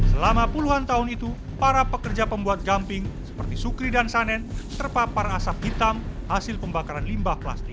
selama puluhan tahun itu para pekerja pembuat gamping seperti sukri dan sanen terpapar asap hitam hasil pembakaran limbah plastik